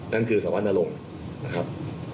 นั่นคือสวัสดิ์นารงนะครับ